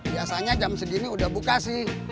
biasanya jam segini udah buka sih